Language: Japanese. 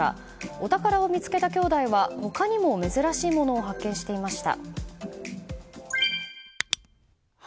お宝を見つけた兄弟は、他にも珍しいものを発見していました。